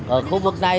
ở khu vực này